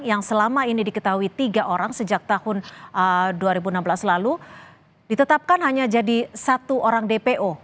yang selama ini diketahui tiga orang sejak tahun dua ribu enam belas lalu ditetapkan hanya jadi satu orang dpo